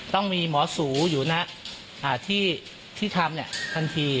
ต้องมีหมอสูอยู่นะที่ทำทันที